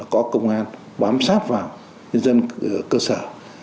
có công an bám sát vào nhân dân ở cơ sở